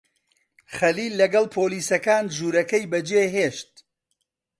خەلیل لەگەڵ پۆلیسەکان ژوورەکەی بەجێهێشت.